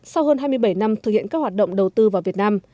sau hơn hai mươi bảy năm thực hiện các hoạt động đầu tư vào việt nam